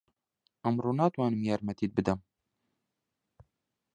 ئەمڕۆ ناتوانم یارمەتیت بدەم.